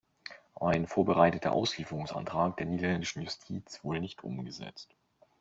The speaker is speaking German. Ein vorbereiteter Auslieferungsantrag der niederländischen Justiz wurde nicht umgesetzt.